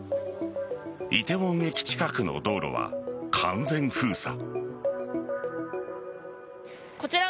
梨泰院駅近くの道路は完全封鎖。